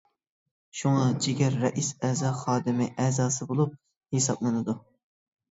شۇڭا جىگەر رەئىس ئەزا خادىمى ئەزاسى بولۇپ ھېسابلىنىدۇ.